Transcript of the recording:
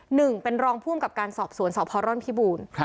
หนึ่งเป็นรองพุ่มกับการสอบสวนสอบพรรณพิบูรณ์